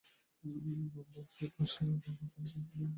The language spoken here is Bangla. বাম পাশের অংশ নতুন সংযোজন যা খুবই সাধারণ।